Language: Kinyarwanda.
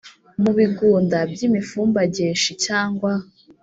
mu bigunda by’imifumbageshi cyangwa